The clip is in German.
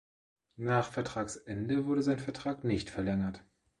Nach Vertragsende wurde sein Vertrag nicht verlängert.